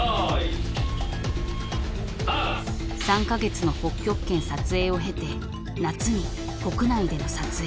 ［３カ月の北極圏撮影を経て夏に国内での撮影］